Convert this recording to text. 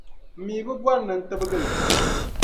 m mi bi bɔri ni n tibigi li.